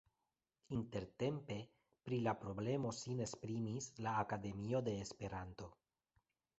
Intertempe pri la problemo sin esprimis la Akademio de Esperanto.